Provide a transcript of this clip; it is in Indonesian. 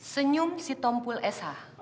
senyum sitompul esah